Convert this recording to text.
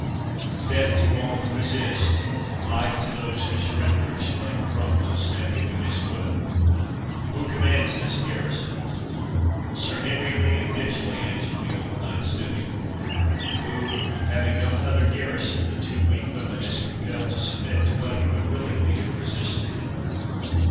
"Death to all who resist—life to those who surrender!" exclaimed Cromwell, stamping with his foot. "Who commands this garrison?" "Sir Henry Lee of Ditchley," answered the old knight, stepping forward; "who, having no other garrison than two weak women, is compelled to submit to what he would willingly have resisted."